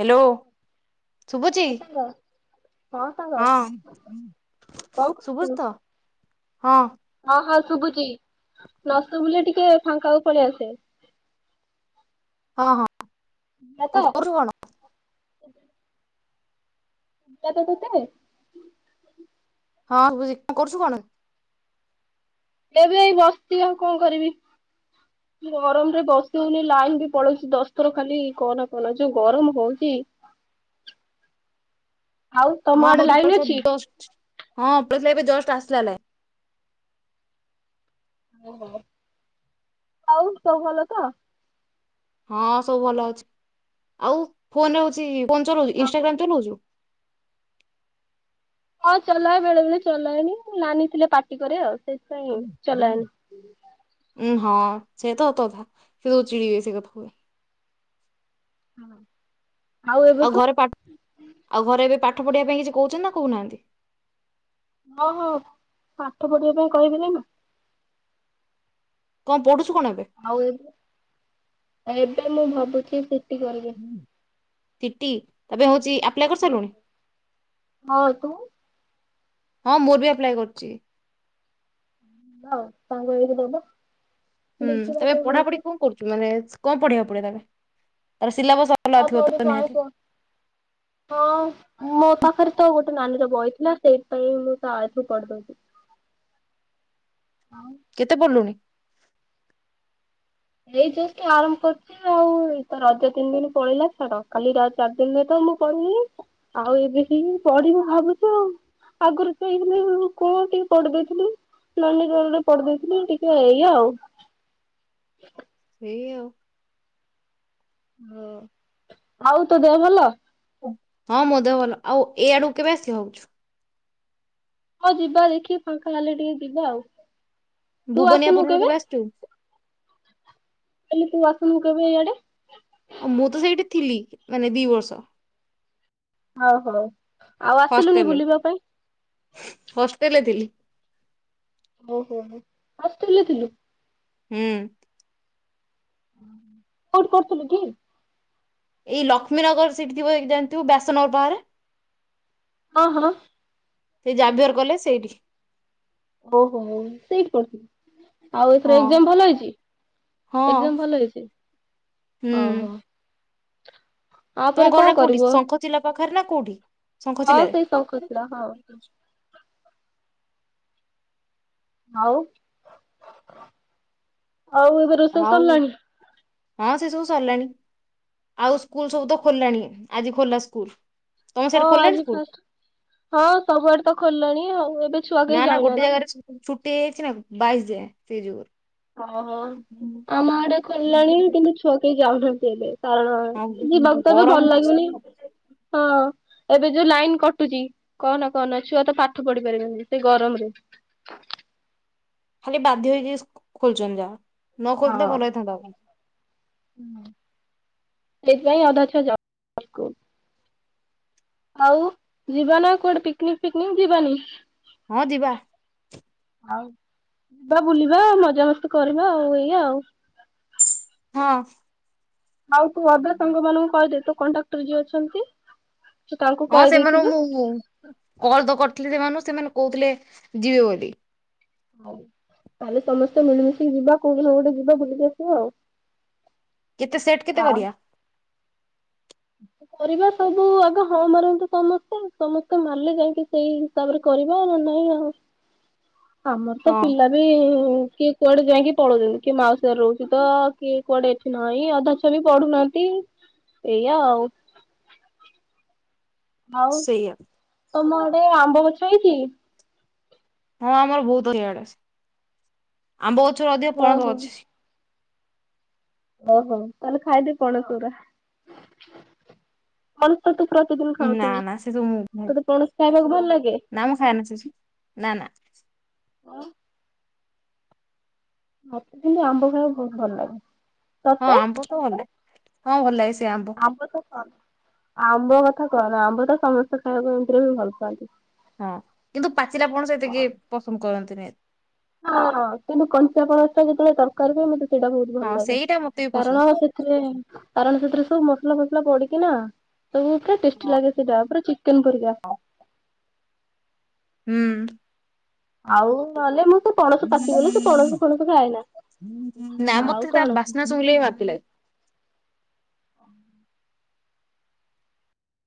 Hello. ଶୁଭୁଛି ହଁ ସାଙ୍ଗ ହଁ ସାଙ୍ଗ ହଁ କଣ ଶଭୁଛି କରୁଛୁ? ତ ହଁ ହଁ, ହଁ ଶୁଭୁଛି ନ ଶୁଭିଲେ ଟିକେ ଫାଙ୍କାକୁ ପଳେଇ ଆସେ। ହଁ, ହଁ ଶୁଭିଲା ତ କଣ କରୁ କଣ? ଲାତ ତତେ ହଁ ବୁଜି କି କରୁଛୁ କଣ? ଏବେ ଏଇ ବସିି ଆଉ କଣ କରିବି। ଗରମ ରେ ବସହଉନି, ଲାଇନ୍ ବି ପଳଉଛି ଦଶଥର ଖାଲି କହନା କହନା ଯୋଉ ଗରମ ହଉଛି। ଆଉ ତମ ହଁ ଆଡେ ମୋର ଲାଇନ୍ ଅଛି? [unintelligible] ହଁ, ପଳେଇଥିଲେ ଏବେ ଜଷ୍ଟ ଆସିଲା ଲାଇନ୍। ଓ ହୋ ଆଉ ସବୁ ଭଲ ତ? ହଁ ସବୁ ଭଲ ଅଛି, ଆଉ ଫୋନ ରେ ହଉଛି ଫୋନ ଚଲଉଛୁ ଇନଷ୍ଟାଗ୍ରାମ ଚଲଉଛୁ? ହଁ ଚଲାଏ ବେଳେ ବେଳେ ଚଲାଏନି ନାନି ଥିଲେ ପାଟି କରେ ଆଉ ସେଥିପାଇଁ ଚଲଏନି। ଉଁ ହଁ ସେ ତ ସତ କଥା ସେ ତ ଚିଡ଼ିବେ ସେ କଥା ହୁଏ। [inaudible] ଏବେ ଆଉ ତୁ ଘରେ ପା ଆଉ ଘରେ ଏବେ ପାଠ ପଢିବା ପାଇଁ କିଛି କହୁଛନ୍ତି ନା କହୁନାହାନ୍ତି। ହଁ, ହଁ ପାଠ ପଢିବା ପାଇଁ କହିବି ନା କଣ ପଢୁଛୁ କଣ ଏବେ? ଆଉ ଏବେ ଏବେ ମୁଁ ଭାବୁଛି ସି ଟି କରିବି ସିଟିି ଏବେ ହଉଛି ଆପ୍ କରିସାରିଲୁଣି ହଁ ତୁ ହଁ ମୁଁ ବି ଆପ୍ଲାଏ କରିଛି। [inaudible] ହୁଁ ଦେଖିବା ତମେ କଣ ପଢା ପଢି ହଉଛି। କଣ କରୁଛୁ ମାନେ କଣ ପଢିବାକୁ ପଢିବ ତା ପାଇଁ ତାର ସିଲାବସ [inaudible] ହଁ ମୋ ପାଖରେ ତ ଗୋଟେ ନାନୀର ବହି ଥିଲା ସେଇପାଇଁ ମୁଁ ତା ଆଠରୁ ପଢଦଉଛି ହଁ। କେତେ ପଢ଼ିଲୁଣି? ଏଇ ଜସ୍ଟ ଆରାମ୍ଭ କରିଛି। ଆଉ ତ ରଜ ତିନି ଦିନ ପଳେଇିଲା ଛାଡ କାଲି ର ଚାରି ଦିନରେ ତ ମୁଁ ପଳିବି। ଆଉ ଏବେ ହି ପଢିବି ଭାବୁଛି ଆଉ ଆଗରୁ ଯଇଥିଲେ କହ ଟିକେ ପଢ଼ୀ ଦେଇଥିଲି ନାନୀ ଗଣରେ ପଡି ଦେଇଥିଲି ଟିକେ ଏଇ ଆଉ ଏଇ ଆଉ। ହୁଁ ଆଉ ତୋ ଦେହ ଭଲ? ହଁ ମୋ ଦେହ ଭଲ ଆଉ ଏଇ ଆଡକୁ କେବେ ଆସିବ? ହଁ ଯିବା ଦେଖି ଫାଙ୍କା ହେଲେ ଟିକେ ଯିବା ଆଉ ତୁ ଭୁବନିଆ ଆସୁନୁ ପୁରରୁ କେବେ? ଆସିଛୁ? କାଲି ତୁ ଆସନ୍ତୁ କେବେ ଇଆଡେ ମୁଁ ତ ସେଇଠି ଥିଲି ମାନେ ଦି ବର୍ଷ। ଓ ହୋ ଆଉ ଆସିଲୁନି ବୁଲିବା ପାଇଁ? ହଷ୍ଟେଲ ରେ ଥିଲି। ଓହୋ ହୋଷ୍ଟେଲେ ରେ ଥିଲୁ? ହୁଁ। କୋଉଠି କରୁଥିଲୁ କି? ଏଇ ଲକ୍ଷ୍ମୀନଗର ସେଠି ଥିବ ଜାଣିଥିବୁ ବ୍ୟାସନଗର ବାହାରେ? ହଁ ହଁ। ସେଇ ଜାଭିୟର କଲେଜ୍ ସେଇଠି। ଓ ହୋ ସେଇଠ କର ଆଉ ଏଥର ହଁ ଏକଜାମ ଭଲ ହଁ ହେଇଛି ଭଲ ହେଇଛି? ହୁଁ ଓ ହୋ। ତମ ଘରଟା କୋଉଠି ଶଙ୍ଖ ଚିଲା ପାଖରେ ନା କୋଉଠି ଶଙ୍ଖ ହଁ ଚିଲାରେ? ସେଇ ଶଙ୍ଖଚିଲା ହଁ ଆଉ ଆଉ ଏବେ ରୋଷେଇ ହଉ ସରିଲାଣି? ହଁ ସେ ସବୁ ସରିଲାଣି ଆଉ ସ୍କୁଲ ସବୁ ତ ଖୋଲିଲାଣି ଆଜି ଖୋଲା ସ୍କୁଲ ତମ ହଁ ସିଆଡେ ଖୋଲିଲାଣି ଆଜି ସ୍କୁଲ? ଫାଷ୍ଟ ହଁ ସବୁଆଡେ ତ ଖୋଲିଲାଣି ଆଉ ଏବେ ଛୁଆ ନା କେହି ନା ଗୋଟେ ଯାଇନାହାନ୍ତି। ଜାଗାରେ ଛୁଟି ହେଇଛି ନା ବାଇଶ ଯାଏଁ ସେଇ ଯୋଗୁଁ ଓହୋ ଆମା ଆଡେ ଖୋଲିଲାଣି କିନ୍ତୁ ଛୁଆ କେହି ଯାଉନାହାନ୍ତି ଏବେ କାରଣ ଆଉ ଯିବାକୁ ତ ଏବେ ଗରମ ଭଲ ହଉଛି ଲାଗୁନି ହଁ। ଏବେ ଯୋଉ ଲାଇନ କଟୁଛି କହ ନା କହ ନା ଛୁଆ ତ ପାଠ ପଢି ପାରିବେନି ସେ ଗରମ ରେ ଖାଲି ବାଧ୍ୟ ହେଇକି ଖୋଲୁଛନ୍ତି ଯାହା ନ ଖୋଲିଥିଲେ ଭଲ ହେଇଥାନ୍ତା ଆଣ ହୁଁ ସେଇଥିପାଇଁ ଅଧାଛୁଆ [inaudible] ଆଉ ଯିବାନା କୋଆଡ଼େ ପିକ୍ନିକ ଫିକନିକ ଯିବାନି? ହଁ ଯିବା। ଆଉ ଯିବା ବୁଲିବା ମଜା ମସ୍ତି କରିବା ଆଉ ଏଇଆ ଆଉ ହଁ। ଆଉ ତୁ ଅଧା ସାଙ୍ଗ ମାନଙ୍କୁ କହିଦେଇ ତୁ କଣ୍ଟ୍ରାକ୍ଟର ଯିଏ ଅଛନ୍ତି ତୁ ତାଙ୍କୁ କହିଦେଇଥିବୁ ହୁଁ। କଲ୍ ତ କରିଥିଲି ସେମାନଙ୍କୁ ସେମାନେ କହୁଥିଲେ ଯିବେ ବୋଲି। ହଉ ତାହେଲେ ସମସ୍ତେ ମିଳିମିଶିକି ଯିବା କୋଉଠିିନ କୋଉଠେ ଯିବା ବୁଲିକି ଆସିବା ଆଉ। କେତେ ସେଟ୍ କେତେ କରିବା? କରିବା ସବୁ ଆଗ ହଁ ମାରନ୍ତୁ ସମସ୍ତେ ସମସ୍ତେ ମାରିଲେ ଯାଇକି ସେଇ ତାପରେ କରିବା ଆ ନହେଲେ ନାଇଁ ଆଉ ଆମର ତ ହଁ ପିଲା କିଏ କୁଆଡେ ଯାଇକି ପଳଉଛନ୍ତି କିଏ ମାଉସୀଘରେ ରହୁଛି ତ କିଏ କୁଆଡେ ନାଇଁ ଅଧା ଛୁଆ ବି ପଢୁନାହାନ୍ତି। ଏଇଆ ଆଉ। ସେଇୟା। ତମଆଡେ ଆମ୍ବ ଗଛ ହେଇଛି? ହଁ ଆମର ବହୁତ ଏଇଆଡେ ଅଛି ଆମ୍ବ ଗଛ ରୁ ଅଧିକ ପଣସ ଓହୋ ଗଛ ଅଛି। ଓହୋ ତାହେଲେ ଖାଇଦେ ପଣସ ଗୁରା। କଣ ତ ତୁ ପ୍ରତିଦିନ ଖାଉ ନା ଥିବୁ ନା ସେ ସବୁ ମୁଁ ତୋତେ ପଣସ ଖାଇବାକୁ ଭଲ ଲାଗେ। ନା ମୁଁ ଖାଏନା ସେ ସବୁ। ନା ନା। [unintelligible] ମତେ କିନ୍ତୁ ଆମ୍ବ ଖାଇବା ବହୁତ ଭଲ ଲାଗେ। ହଁ ତତେ? ଆମ୍ବ ତ ହଁ ଭଲ ଲାଗେ ସେ ଆମ୍ବ। ଆମ୍ବ ତ କ ଆମ୍ବ କଥା କହନା ଆମ୍ବ ତ ସମସ୍ତେ ଖାଇବାକୁ ଏମତିରେ ବି ଭଲ ପାଆନ୍ତି। ହଁ କିନ୍ତୁ ପାଚିଲାପଣସ ଏତେ କେହି ପସନ୍ଦ କରନ୍ତିନି। ହଁ କିନ୍ତୁ କଞ୍ଚା ପଣସ ଟା ଯେତେବେଳେ ତରକାରି ହୁଏ ମତେ ସେଇଟା ବହୁତ ଭଲ ହଁ ଲାଗେ ସେଇଟା ମତେ ବି ପସନ୍ଦ କାରଣ ସେଥିରେ କାରଣ ସେଥିରେ ସବୁ ମସଲା ଫସଲା ପଡିକି ନା ସବୁ ପୁରା ଟେଷ୍ଟି ଲାଗେ ସେଟା ପୁରା ଚିକେନ୍ ପରିକା। [unintelligible] ହୁଁ। ଆଉ ନହେଲେ ମୁଁ ସେ ପଣସ ପାଚିଗଲେ ସେ ପଣସ ଫଣସ ଖାଏନା ଆଉ କଣ? ନାଁ ଶୁଙ୍ଗିଲେ ବି ବାନ୍ତି ଲାଗେ। [inaudible]